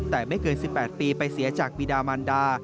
แต่ไม่เกิน๑๘ปีไปเสียจากบีดามันดา